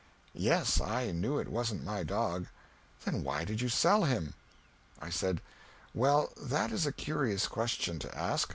"Yes, I knew it wasn't my dog." "Then why did you sell him?" I said, "Well, that is a curious question to ask.